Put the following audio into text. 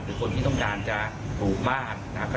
หรือคนที่ต้องการจะปลูกบ้านนะครับ